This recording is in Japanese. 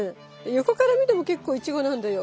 横から見ても結構イチゴなんだよ。